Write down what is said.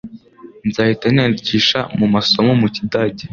Nzahita niyandikisha mu masomo mu kidage.